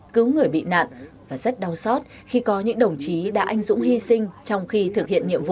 cứu người bị nạn và rất đau xót khi có những đồng chí đã anh dũng hy sinh trong khi thực hiện nhiệm vụ